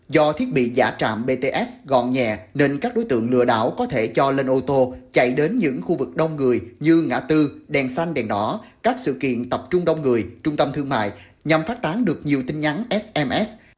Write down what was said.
do thiết bị giả trạm bts gọn nhẹ nên các đối tượng lừa đảo có thể cho lên ô tô chạy đến những khu vực đông người như ngã tư đèn xanh đèn đỏ các sự kiện tập trung đông người trung tâm thương mại nhằm phát tán được nhiều tin nhắn sms